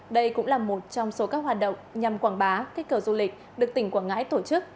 đây cũng là một trong số các hoạt động nhằm quảng bá kích cầu du lịch được tỉnh quảng ngãi tổ chức